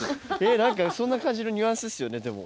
何かそんな感じのニュアンスですよねでも。